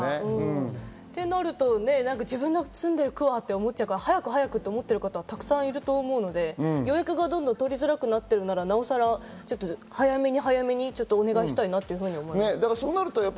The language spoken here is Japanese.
ってなると自分の区は？って思っちゃうと、早く早くって思ってる方がたくさんいると思うので、予約がどんどん取りづらくなってるなら、なおさら早めに早めにお願いしたいなって思います。